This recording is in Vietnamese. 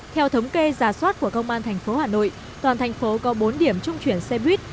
theo thống kê giả soát của công an tp hà nội toàn thành phố có bốn điểm trung chuyển xe buýt